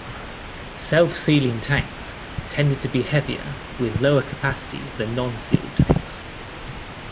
Self-sealing tanks tended to be heavier with lower capacity than non-sealed tanks.